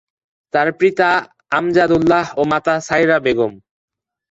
তার পিতা মৃত আমজাদ উল্লাহ ও মাতা সায়রা বেগম।